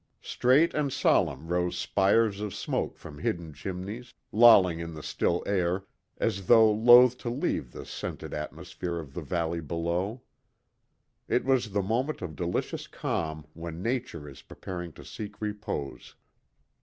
Straight and solemn rose spires of smoke from hidden chimneys, lolling in the still air, as though loath to leave the scented atmosphere of the valley below. It was the moment of delicious calm when Nature is preparing to seek repose.